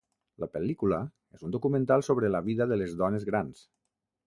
La pel·lícula és un documental sobre la vida de les dones grans.